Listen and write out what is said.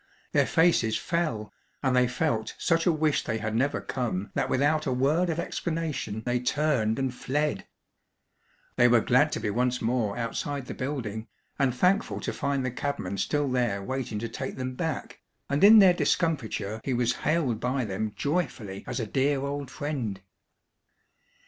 Their faces fell, and they felt such a wish they had never come that without a word of explanation they turned and fled. They were glad to be once more outside the building, and thankful to find the cabman still there waiting to take them back, and in their discomfiture he was hailed by them joyfully as a dear old friend.